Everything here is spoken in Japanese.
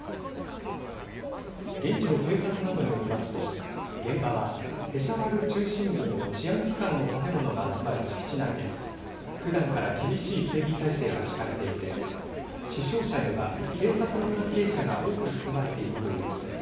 現地の警察などによりますと現場はペシャワル中心部の治安機関の建物が集まる敷地内で、ふだんから厳しい警備体制が敷かれていて死傷者には警察の関係者が多く含まれているということです。